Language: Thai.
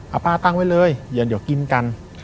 เอาป้าตั้งไว้เลยเดี๋ยวกินกัน